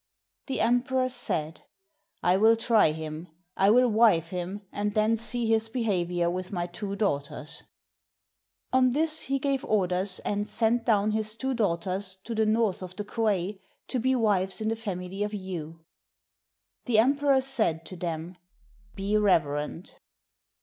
The emperor said, "I will try him! I will wive him, and then see his behavior with my two daughters." On this he gave orders and sent down his two daughters to the north of the Kwei to be wives in the family of Yu. The emperor said to them, "Be reverent."